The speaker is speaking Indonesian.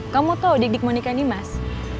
kamu tahu dik dik monikain imas